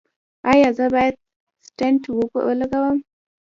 ایا زه باید سټنټ ولګوم؟